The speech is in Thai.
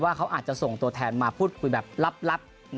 เขาอาจจะส่งตัวแทนมาพูดคุยแบบลับ